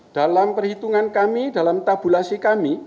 dalam perhitungan kami dalam tabulasi kami